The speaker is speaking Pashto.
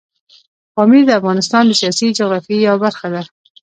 پامیر د افغانستان د سیاسي جغرافیې یوه برخه ده.